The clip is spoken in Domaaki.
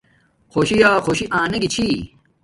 خوشی یا خوشی انگی چھی